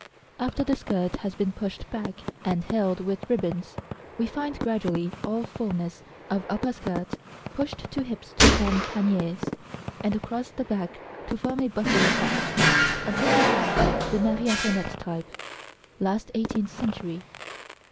After the skirt has been pushed back and held with ribbons, we find gradually all fulness of upper skirt pushed to hips to form paniers, and across the back to form a bustle effect, until we have the Marie Antoinette type, late eighteenth century.